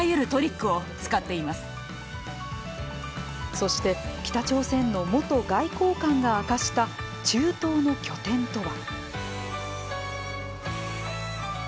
そして、北朝鮮の元外交官が明かした中東の拠点とは。